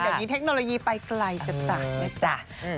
เดี๋ยวนี้เทคโนโลยีไปไกลจะสั่งนะจ๊ะ